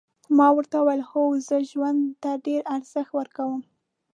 ما ورته وویل هو زه ژوند ته ډېر ارزښت ورکوم.